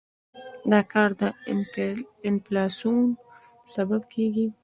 دا کار د انفلاسیون سبب کېږي.